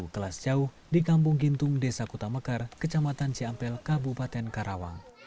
kelas jauh di kampung gintung desa kutamekar kecamatan ciampel kabupaten karawang